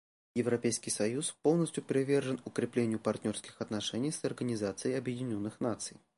Европейский союз полностью привержен укреплению партнерских отношений с Организацией Объединенных Наций.